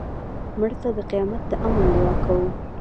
مړه ته د قیامت د امن دعا کوو